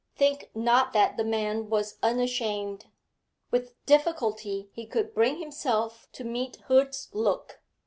Think not that the man was unashamed. With difficulty he could bring himself to meet Hood's look.